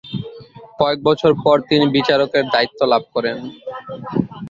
কয়েক বছর পরে তিনি বিচারকের দায়িত্ব লাভ করেন।